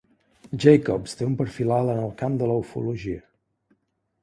Jacobs té un perfil alt en el camp de la ufologia.